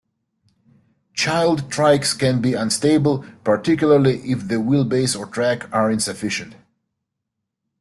Child trikes can be unstable, particularly if the wheelbase or track are insufficient.